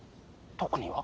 特には？